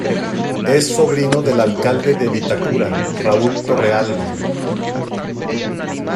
Es sobrino del Alcalde de Vitacura, Raúl Torrealba.